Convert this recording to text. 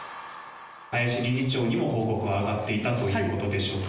林理事長にも報告は上がっていたということでしょうか。